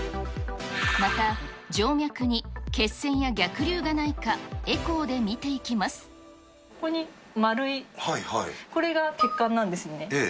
また、静脈に血栓や逆流がないか、ここに丸い、これが血管なんですよね。